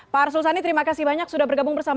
pak arsul sani terima kasih banyak sudah bergabung bersama